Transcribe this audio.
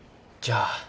じゃあ。